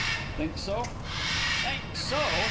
"Think so?" "Think so!